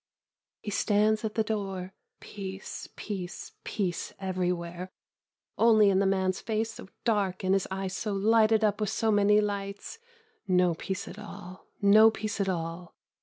He stands at the door ... peace, peace, peace every where only in the man's face so dark and his eyes so lighted up with many lights, no peace at all, no peace at all.